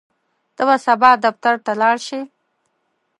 ته به سبا دفتر ته لاړ شې؟